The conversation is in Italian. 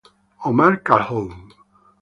Omar Calhoun